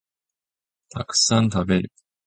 たくさん食べる